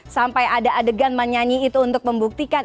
sampai ada adegan menyanyi itu untuk membuktikan